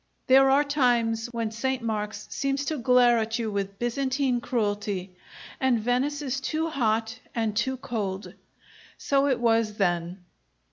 There are times when St. Mark's seems to glare at you with Byzantine cruelty, and Venice is too hot and too cold. So it was then.